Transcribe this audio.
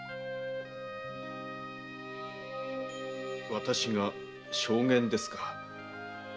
私が証言ですか？